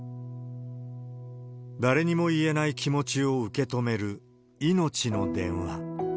誰にも言えない気持ちを受け止めるいのちの電話。